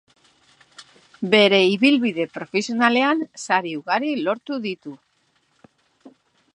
Bere ibilbide profesionalean sari ugari lortu ditu.